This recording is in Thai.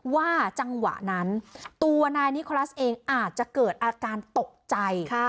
ว่าจังหวะนั้นตัวนายนิคลัสเองอาจจะเกิดอาการตกใจ